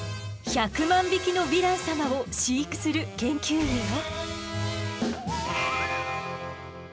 １００万匹のヴィラン様を飼育する研究員よ。